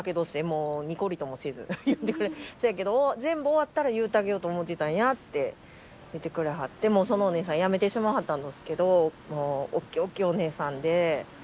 もうにこりともせず言ってくれせやけど「全部終わったら言うてあげようと思ってたんや」って言ってくれはってもうそのお姉さん辞めてしまいはったんどすけどもうおっきいおっきいお姉さんで。